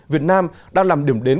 việt nam đang làm điểm đến